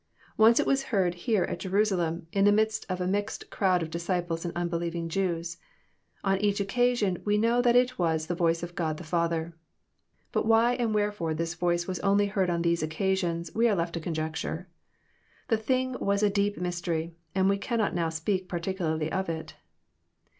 Once it was heard here at Jerusalem, in the midst of a mixed crowd of disciples and unbelieving Jews. On each occa sion we know that it was the Voice of God the Father. But why and wherefore this Voice was only heard on these occasions we are left to conjecture. The thing was a deep mystery, and we cannot now speak particularly of it.